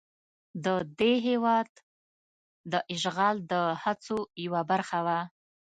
د دې هېواد د اشغال د هڅو یوه برخه وه.